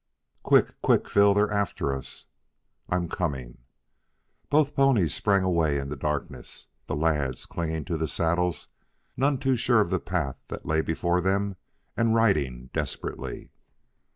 "Quick! Quick, Phil! They're after us." "I'm coming." Both ponies sprang away in the darkness, the lads clinging to the saddles, none too sure of the path that lay before them, and riding desperately.